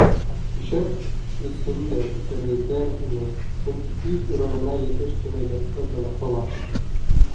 Ишәк өсөн дә күтәрерҙәр ине, сөнки үҙ урынына йәтеш кенә ятты быныһы ла.